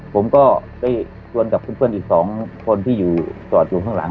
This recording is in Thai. ผมก็ได้ชวนกับเพื่อนอีก๒คนที่อยู่จอดอยู่ข้างหลัง